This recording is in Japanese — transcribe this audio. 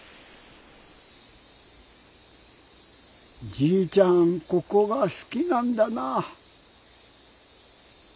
じいちゃんここがすきなんだな。